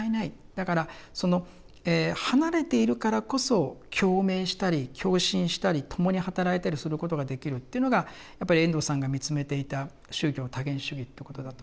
だからその離れているからこそ共鳴したり共振したり共に働いたりすることができるっていうのがやっぱり遠藤さんが見つめていた宗教多元主義ということだと思うんですよね。